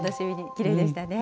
きれいでしたね。